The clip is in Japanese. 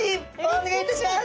お願いいたします。